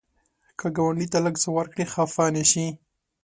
که ګاونډي ته لږ څه ورکړې، خفه نشي